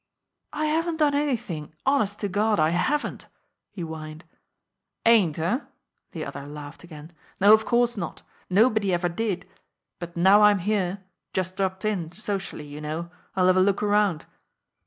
"I haven't done anything, honest to God, I haven't!" he whined. "Ain't, eh?" The other laughed again. "No, of course not! Nobody ever did! But now I'm here just dropped in socially, you know I'll have a look around."